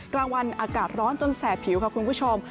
กลางวันอากาศร้อนจนแสบผิวค่ะคุณผู้ชม